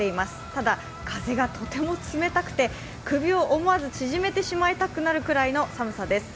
ただ、風がとても冷たくて首を思わず縮めてしまいたくなるぐらいの寒さです。